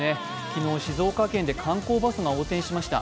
昨日、静岡県で観光バスが横転しました。